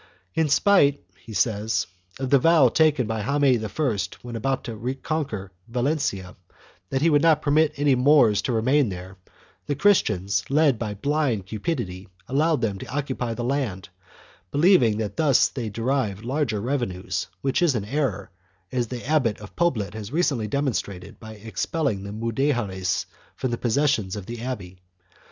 In spite, he says, of the vow taken by Jaime I when about to conquer Valencia, that he would not permit any Moors to remain there, the Christians, led by blind cupidity, allow them to occupy the land, believing that thus they derive larger revenues — which is an error, as the Abbot of Poblet has recently demonstrated by expelling the Mudejares from the possessions of the abbey.